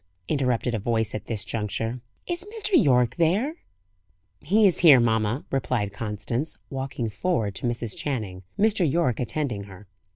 interrupted a voice at this juncture. "Is Mr. Yorke there?" "He is here, mamma," replied Constance, walking forward to Mrs. Channing, Mr. Yorke attending her.